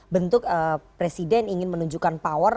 bentuk presiden ingin menunjukkan power